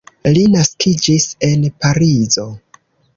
Li naskiĝis en Parizo.